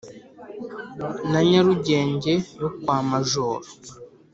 Na Nyarugenge yo kwa Majoro